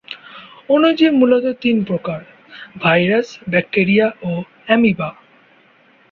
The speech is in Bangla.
অণুজীব মূলত তিন প্রকার: ভাইরাস, ব্যাকটেরিয়া ও অ্যামিবা।